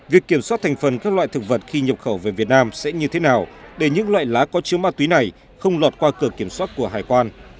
việc kiểm soát thành phần các loại thực vật khi nhập khẩu về việt nam sẽ như thế nào để những loại lá có chứa ma túy này không lọt qua cửa kiểm soát của hải quan